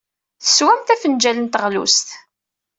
Teswamt afenjal n teɣlust.